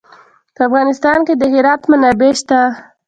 په افغانستان کې د هرات منابع شته.